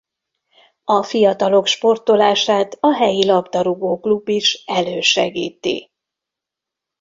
A fiatalok sportolását a helyi labdarúgó klub is elősegíti.